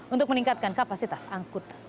untuk meningkatkan kapasitas angkut